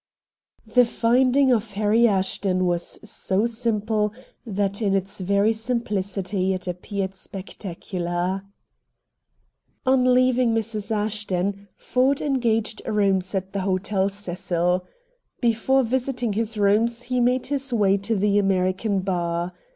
The finding of Harry Ashton was so simple that in its very simplicity it appeared spectacular. On leaving Mrs. Ashton, Ford engaged rooms at the Hotel Cecil. Before visiting his rooms he made his way to the American bar.